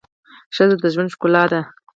ښځه د ژوند ښکلا ده.